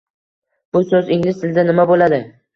Bu so'z ingliz tilida nima bo'ladi?